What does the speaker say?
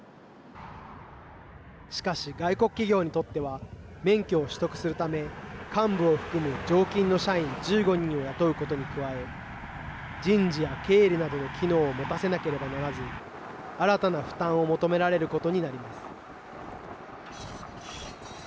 しかし、外国企業にとっては免許を取得するため幹部を含む常勤の社員１５人を雇うことに加え人事や経理などの機能を持たせなければならず新たな負担を求められることになります。